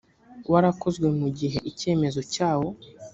warakozwe mu gihe icyemezo cyawo